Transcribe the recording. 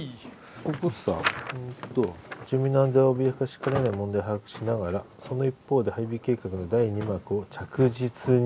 ここさえと「住民の安全を脅かしかねない問題を把握しながらその一方で配備計画の第二幕を着実に」。